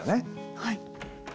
はい。